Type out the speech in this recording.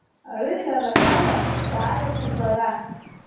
Арыӷьарахьала дааиасит лара.